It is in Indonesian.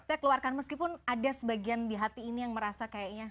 saya keluarkan meskipun ada sebagian di hati ini yang merasa kayaknya